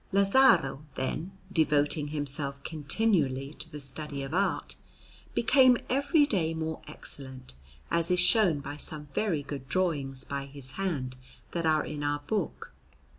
Lazzaro, then, devoting himself continually to the study of art, became every day more excellent, as is shown by some very good drawings by his hand that are in our book.